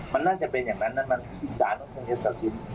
มันน่าจะเป็นอย่างนั้นนั่นมันศาลต้องขึ้นเยอะต่อชิ้น